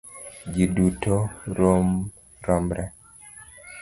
Ji duto romre.